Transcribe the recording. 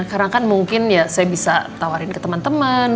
karena kan mungkin ya saya bisa tawarin ke temen temen